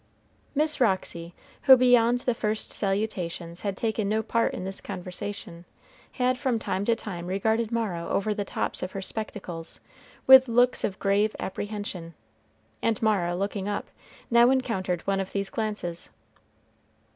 Miss Roxy, who beyond the first salutations had taken no part in this conversation, had from time to time regarded Mara over the tops of her spectacles with looks of grave apprehension; and Mara, looking up, now encountered one of these glances.